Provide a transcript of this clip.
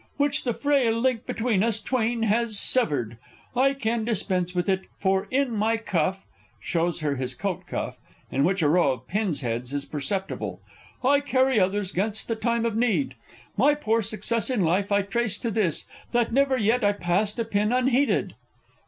_ Which the frail link between us twain has severed. I can dispense with it, for in my cuff [Shows her his coat cuff, in which a row of pins' heads is perceptible. I carry others 'gainst a time of need. My poor success in life I trace to this That never yet I passed a pin unheeded.